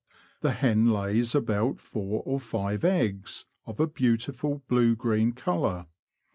The hen lays about four or five eggs, of a beautiful blue green colour.